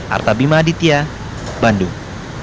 arta bima aditya bandung